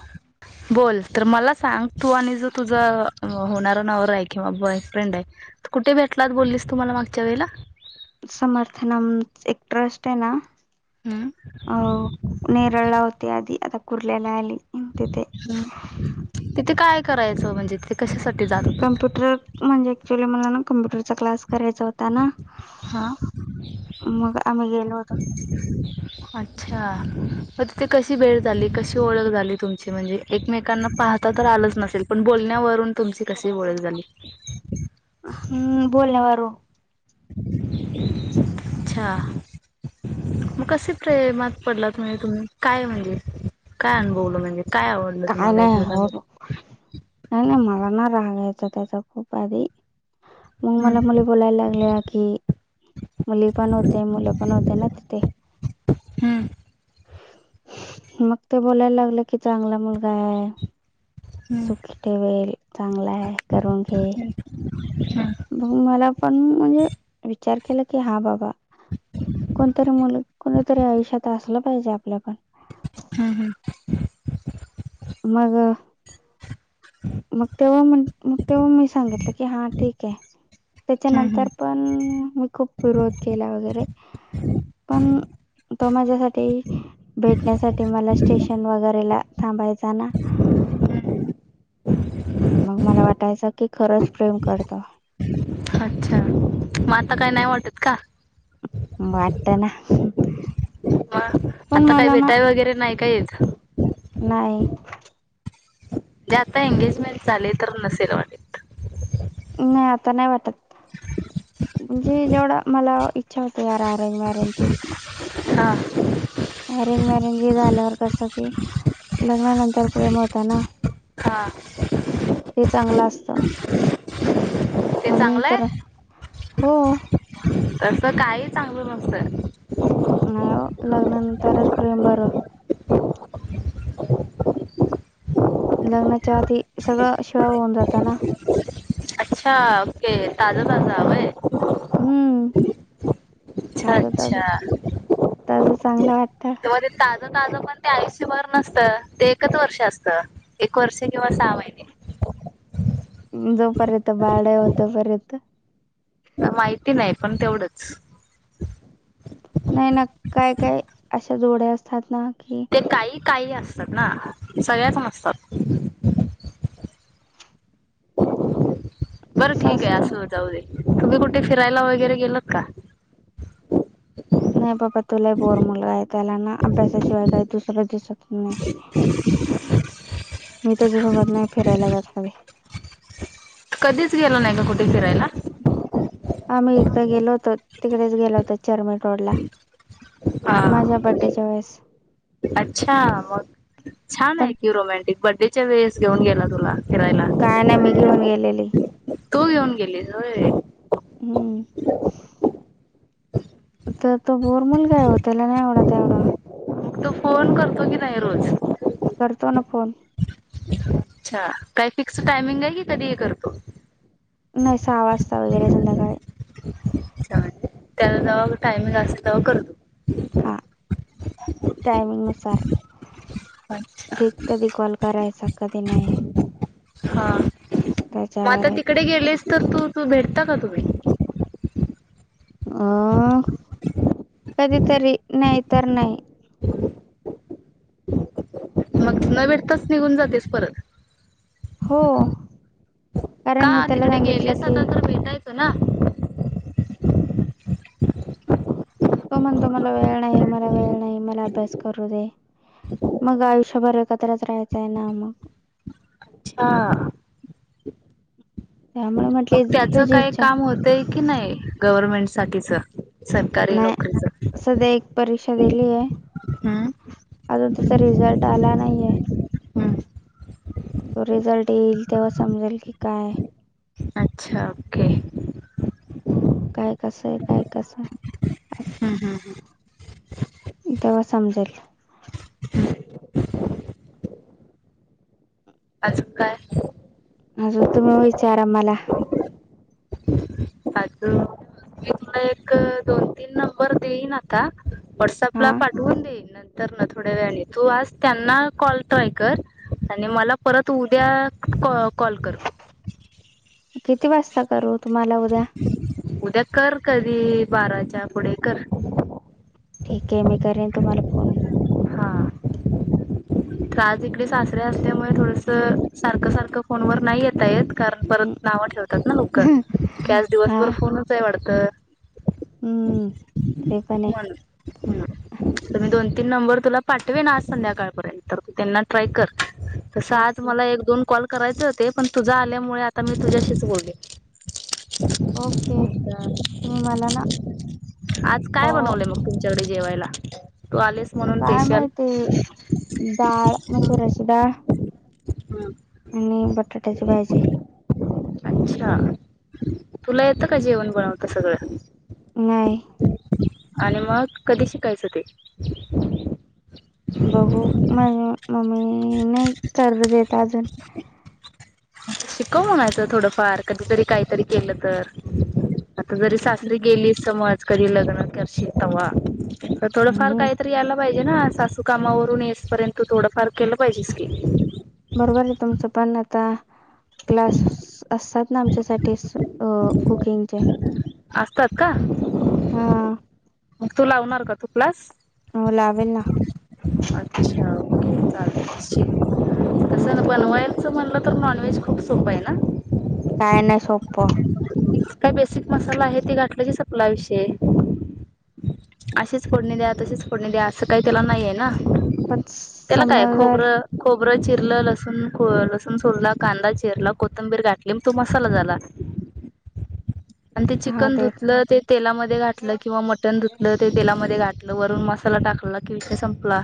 गर्वच बोल तर मला सांग तू आणि जो तुझा होणारा नवर आहे. किंवा बॉयफ्रेंड आहे. कुठे भेटलात बोललीस तुम्हाला मागच्या वेळेला समर्थनम एक ट्रस्ट आहे ना. हम्म. अ नेरळा होते अदी अता कुर्लेला अली हंत ते हम् तिथे काय करायचं म्हणजेि कशासाठी जात होतात कम्प्युटर म्हणजेऍक्च्युअली मला कम्प्युरचा क्स करायचा हो. हा. मग आम्ही गेलो होतो अच्छा, मग तिथे कशी वेळ झाली कशी ओळख झाली तुमची म्हणजे एकमेकांना पाह तर आलंच नसेल पण बोलण्यावरून तुमची कशी ओळख झाली हम्म, बोलण्या मारू अच्छा. मग कसे प्रेमात पडलात म्हणजे, तुम्ही काय म्हणजे, काय अनुभवलं म्हणजे, काय आवडलं तुम्हाला एकमेकां मध्ये. नाही-नाही मला ना नारळ आणायचं होता खूप आधी, मग मला हम्म, मु बोलायला लागल्या की, मुली पण होते, मुलं पण होते, ना तिथे. हम्म, मग ते बोलायला लागलं की चांगला मुलगा आहे. हम्म, सुक ते वेळ चांगला आहे, करून घे. हम्म, मग मला पण म्हणजे, विचार केला की हा बाबा. कोणतरी मुल, कोणीतरी आयुष्यात, असलं पाहिजे आपल्या पण. हम्म-हम्म. मग. मग तो, मग तो, हा मी सांगितलं की हां ठीक आहे. हम्म त्याच्यानंतर पण मी खूप विरोध केला वगैरे पण, तो माझ्यासाठी भेटण्यासाठी मला स्टेशन वगैरे ला थांबायचा ना. हम्म मग मला वाटायचं की खरंच प्रेम करतो. अच्छा, मग आता काही नाही वाटत का? वाटणा. म आता काय भेटाय वगैरे नाही का येत. नाही. ते आता एंगेजमेंट झाले तर नसेल मागे. नाही, आता नाही वाटत. म्हणजे जेवढा मला इच्छा होते, या र अरेंज मॅरेंजची. हा. अरेंज मॅरेंज हे झाल्यावर कसं की. लग्नानंतर प्रेम होता ना. हा. ते चांगलं असत, ते म्हणून चांगलं तर, आहे हो. तसं काही चांगलं नसतं. नाय बाबा, लग्ना नंतरच प्रेम बर. लग्नाच्या आधी, सगळं शिळ होऊन जाता ना. अच्छा, ओके, ताजा-ताजा. हम्म. अच्छा ताजं-ताजं, अच्छा ताजं चांगलं वाटतं. ताजं-ताजं पण ते आयुष्यभर नसतं, ते एकच वर्ष असतं. एक वर्ष किंवा सहा महिने. जोपर्यंत बाळ नाही होत, तोपर्यंत. माहिती नाही पण तेवढंच. नाही ना, काय-काय अशा जोड्या असतात ना. की ते काही-काही असतात ना, सगळ्याच असतात. बरं असं ठीक आहे, असतं असू दे, जाऊ दे, तुम्ही कुठे फिरायला वगैरे गेलत का. नाही बाबा, तो लई बोर मुलगा आहे, त्याला ना अभ्यासाशिवाय काही दुसरं दिसत नाही. [inaudible] मी त्याच्यासोबत, नाही फिरायला जात कधी. कधीच गेला नाही का? कुठे फिरायला? आम्ही एकदा गेलो होतो. तिकडेच गेलो होतो. चर्मेट रोडला. हा माझ्या बड्डेच्या वेळेस. अच्छा. मग छानय पण की रोमॅंटिक. बड्डेच्या वेळेस घेऊन गेला, तुला फिरायला. काय नाय? मी घेऊन गेलेली. तू घेऊन गेली होय. हम्म. तर तो बोर मुलगा ओ. त्याला नाही आवडत एवढं. मग तो फोन करतो, की नाही? रोज. करतो न, फोन. अच्छा. काय फिक्स टायमिंगय की, कधी ही करतो? नाही. सहा वाजता वगैरे संध्याकाळी. काय मनली? त्याला जव्हा टायम असत. तेव्हा करतो. हा. टाइमिंग नुसार. गे कधी कॉल करायचा? कधी नाही? हा. मग त्याच्यावर आता आहे ते तिकडे गेलेस तर, तू- तू भेटता का तुम्ही? अ, कधीतरी. नाही तर नाही. मग न भेटताच निघून जातेस, परत. हो का? कारण मी त्याला तिकडे सांगितलं गेलेस की आता तर भेटायच ना. तो म्हणतो. मला वेळ नाही, मला वेळ नाही. मला अभ्यास करू दे. मग आयुष्याभर, एकत्रच राहायचंय ना. मग. अच्छा. त्यामुळे मग म्हटली त्याच तुझी काय इच्छा काम होतय कि नाही. गव्हर्मेंट साठीच. सरकारी नाही, नोकरीच सध्या एक परीक्षा दिलीय. हम्म अजून तिचा, रिझल्ट आला नाहीये. हम्म तो रिझल्ट येईल तेव्हा, समजेल की, काय अच्छा. ओके. काय कसंय? काय कसं? आहे हम्, हम, हम. तेव्हा समजेल. हम्म अजूक, काय? अजून, तुम्ही विचारा मला. अजुन, मी तुला एक, दोन- तीन नंबर देईन आता. व्हॉट्सअपला हा पा होऊन दे, नंतरन थोड्या वेळाने. तू आज त्यांना कॉल ट्राय कर. आणि मला परत उद्या, क कॉल कर. किती, वाजता करू? तुम्हाला उद्या उद्या कर. कधी, बाराच्या पुढे कर. ठीकय. मी करेन तुम्हाला फोन. तर आज इकडे, सासरे असल्यामुळे थोडस. सारखं- सारखं, फोनवर नाही येता येत. कारण, परत नाव ठेवतात ना, लोक. की, आज हा दिवसभर फोनचय वाढतं. [inaudible] हम्म ते पण आहे हो, न. [inaudible] मी दोन- तीन नंबर तुला पाठवेन. आज संध्याकाळपर्यंत. तर तू त्यांना ट्राय कर. तसं आज ओके मला, एक- दोन कॉल करायच होते. पण तुझा आल्यामुळे आता मी तुझ्याशीच बोले. ओके. तुम्ही मला ना आज क काय बनवलंय मग तुमच्याकडे जेवायला? तू आलेस म्हणून काय स्पेशल माहिती? डाळ मसुऱची डाळ ह. आणि बटाट्याची भाजी. अच्छा, तुला येतं का? जेवण बनवता सगळं. नाही. आणि मग कधी शिकायचं ते? बघू माझी मम्मी नाही करु देत अजून. शिकव म्हणायचं थोडंफार. कधीतरी काहीतरी केलं तर. आता जरी सासरी गेली समज. कधी लग्न कशी तव्हा. तर थोडंफार हम्म काहीतर यायला पाहिजे ना. सासू कामावरून येसपर्यंत थोडंफार केलं पाहिजेस की. बरोबरे तुमचं पण आता. क्लास असतात ना आमच्यासाठी. अ कुकिंगचे. असतात का? हा. मग तू लावणार का तो क्लास? हो लावेल ना. अच्छा, ओके चालत. शिख. मग कसं ना तिकडून बनवायचं म्हणलं ना. तर नॉनव्हेज खूप सोपंय ना? काय नाय सोपं. काय बेसिक मसाला हे ते घातलं की सपला विषय. अशीच फोडणी द्या. तशीच फोडणी द्या. असं काही त्याला नाहीये ना. पण त्याला काय समजाल खोबरं खोबरं चिरलं, लसूण लसूण सोडला, कांदा चिरला, कोथंबीर घातली. तो मसाला झाला. आणि ते चिकन धुतलं ते तेलामध्ये घातलं. किंवा मटण धुतलं ते तेलामध्ये घाातलं. वरून मसाला टाकला कि विषय संपला.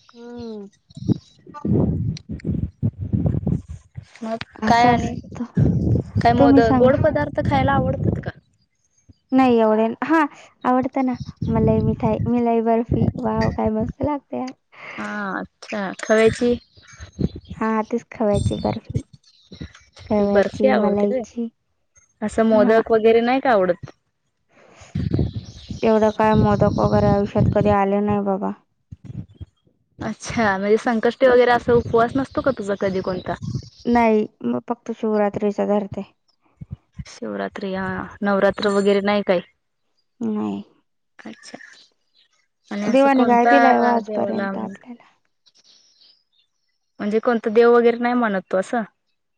हम्म [inaudible] मग काय असं आणि. असत काय मोद तुम्ही गोड सांगा पदार्थ खायला आवडतात का? नाही एवढे. हा. आवडत ना. मलाई मिठाई. मिलाई बर्फी वाव काय मस्त लागते. हा अच्छा, खव्याची? हा तेच खावायची बर्फी. ती बर्फी खव्याची आवडते मलाईची काय? सं हा मोदक वगैरे नाही का आवडत? एवढं काय मोदक वगैरे आयुष्यात कधी आले नाय बाबा. अच्छा, म्हणजे संकष्टी वगैरे असा उपवास नसतो का? तुझा कधी कोणता? नाही मी फक्त शिवरात्रीच धरते. शिवरात्री हा. नवरात्र वगैरे नाही काही? नाही अच्छा, आणि असं देवाने काय दिलाय व कोणत्या देवाला आजपर्यंत म् आपल्याला म्हणजे कोणतं देव वगैरे नाही मानत तू असं?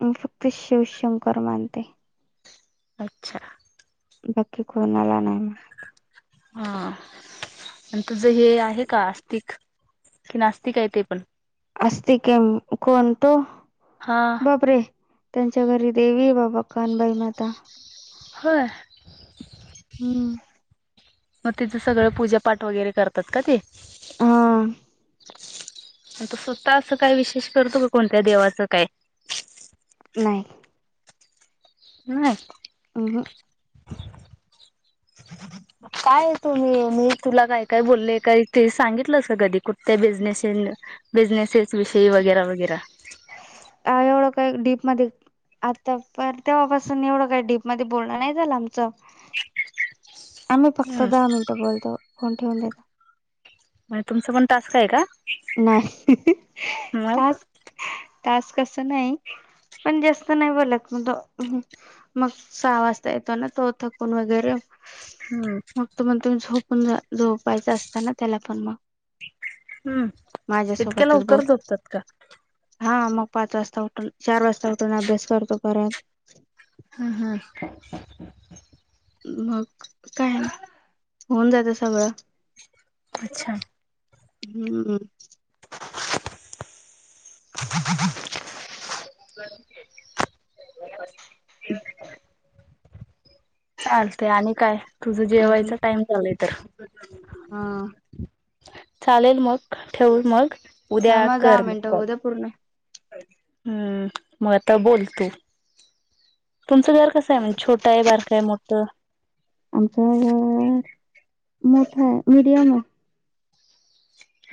मी फक्त शिवशंकर मानते. अच्छा. बाकी कोणाला नाही म. हा आणि तुझं हे आहे का आस्तिक? कि नास्तिक आहे ते पण? असते गेम, कोणत? हा बापरे. त्यांच्या घरी देवी बाबा कानबाई माता. होय. हम्म. मग तिच सगळं पूजापाठ वगैरे करतात का ते? हा आणि स्वतः असं काय विशेष करतो का, कोणत्या देवाचं काय? नाही. [unintelligible] अहं. [inaudible] काय तुम्ही मी तुला काय, काय बोलले काही ते, सांगितलंस कधी कुठत बिझनेस- बिझनेसेस विषयी वगैरा, वगैरा. आयो [unintelligible] डीप मध्ये- आता तर, तेव्हापासून एवढं काय डीप मध्ये बोलण नाही झालं आमच. आम्ही फक्त हम्म दहा मिनटं बोलतो, फोन ठेवून देतो. म्हण- तुमच पण टास्क आहे का? नाही [unintelligible] मग टास्क टास्क अस नाही. पण जास्त नाही बोलत म- [unintelligible] मग सहा वाजता येतो ना, तो थकून वगैरे- हम. मग तो मग तुम्ही झोपून झोपायच असता ना, त्याला पण मग. हम्म इतक्या माझ्यासोबतच बोल. लवकर झोपतात का हा, मग पाच वाजता उठून, चार वाजता उठून अभ्यास करतो परत. हा, हा. मग काय, होऊन जात सगळं. अच्छा. हं. [inaudible] [inaudible] [unintelligible] [inaudible] चालतय आणि काय? तुझं अजून जेवायचा टाइम झालय तर. हा. चालेल मग, ठेव मग, उद्या थांबा दहा कर मग मिनटं कॉल. होऊ द्या पूर्ण हम्म, मग आता बोलते. तुमचं घर कसं आहे, छोटं हाय, बारक हाय मोठं? आमचं घर मोठा आहे, मीडियम आहे.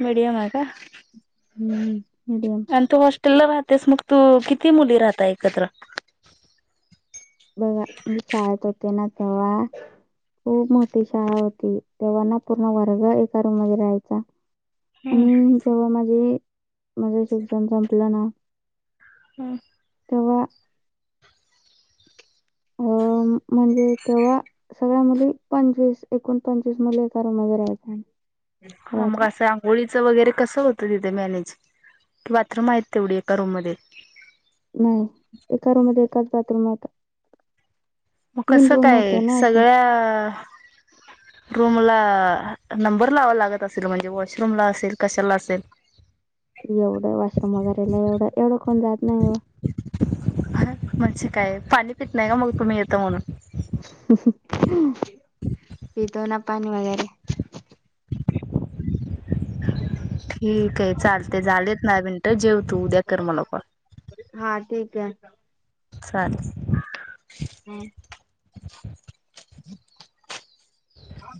मीडियम हाय का? हम्म. मीडियम आणि तू हॉस्टेल ला राहतेस, मग तू किती मुली राहता एकत्र? [unintelligible] मी शाळेत होती नां तेंव्हा- खूप मोठी शाळां होती, तेंव्हा ना पूर्ण वर्ग एका रूम मध्ये राहायचा. हम्म, जेव्हा माझे माझं शिक्षण संपल ना- [unintelligible] तेंव्हा- अ म्हणजे तेंव्हा सगळ्यां मुली पंचवीस. एकोण पंचवीस मुली एका रूमला राहायचो आम्ही. हां मगं कसं आंघोळीचं वगैरे कसं होतं तिथे मॅनेज. की बाथरूम आहेंत तेवढी एका रूम मध्यें? नाहीं. एका रूममंध्ये एकच बाथरूम होता. मगं कसं रूम होते कायं? ना असे. सगळ्यां रूम ला नंबर लावा लागतं असेल. म्हणजे वॉशरूम ला असेल, कशाला असेल. एवढं वांशरूमला वगैरेंला. एवढं एवढं कोणं जातं नाहीं हो. म्हणजे कायं पाणी पित नाहीय ओ मगं तुम्हीं? येतं म्हणून. पितो नां पाणी वगैरें. ठीके. चालतें झालेत नां दहा मिनिटं. जेव तू उद्या कर मला कॉल. हां ठीके. चालेल. हम्मं. हं.